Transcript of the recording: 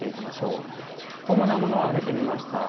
主なものを挙げてみました。